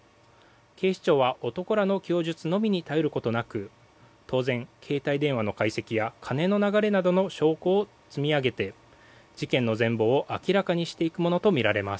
警視庁は男らの供述のみに頼ることなく当然、携帯電話の解析や金の流れなどの証拠を積み上げて事件の全貌を明らかにしていくものとみられます。